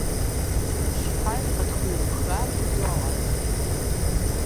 Щхьэж къытхуиухар къыдогъэщӀ.